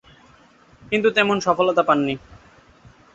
কিন্তু তেমন সফলতা পাননি।